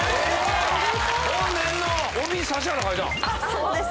そうです。